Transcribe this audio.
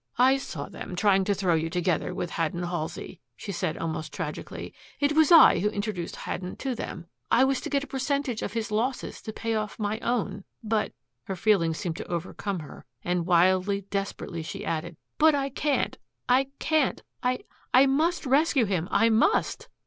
"I saw them trying to throw you together with Haddon Halsey," she said, almost tragically. "It was I who introduced Haddon to them. I was to get a percentage of his losses to pay off my own but" her feelings seemed to overcome her and wildly, desperately, she added "but I can't I can't. I I must rescue him I must."